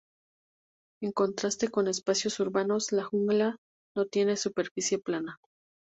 En contraste con espacios urbanos, la jungla no tiene superficie plana.